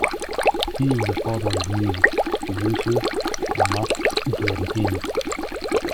He is the father of music producer Mass Giorgini.